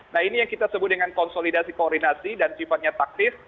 nah ini yang kita sebut dengan konsolidasi koordinasi dan sifatnya taktis